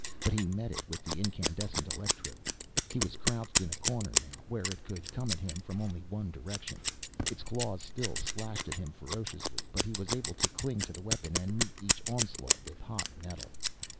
But he met it with the incandescent electrode. He was crouched in a corner, now, where it could come at him from only one direction. Its claws still slashed at him ferociously. But he was able to cling to the weapon, and meet each onslaught with hot metal.